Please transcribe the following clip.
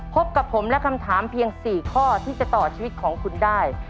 พบกับผมและคำถามเพียง๔ข้อที่จะต่อชีวิตของคุณได้